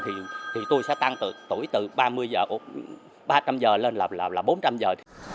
thì tôi sẽ tăng tuổi từ ba trăm linh giờ lên là bốn trăm linh giờ